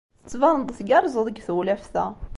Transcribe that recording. Tettbaneḍ-d tgerrzeḍ deg tewlaft-a!